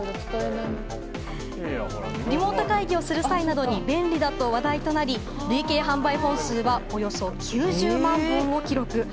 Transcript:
リモート会議をする際などに便利だと話題になり累計販売本数はおよそ９０万本を記録。